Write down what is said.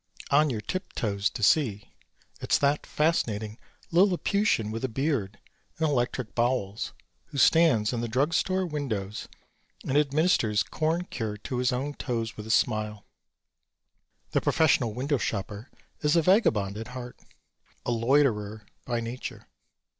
On your tip toes to see. It's that fascinating Lilliputian with a beard and electric bowels who stands in drug store windows and administers corn cure to his own toes with a smile. The professional window shopper is a vagabond at heart a loiterer by nature.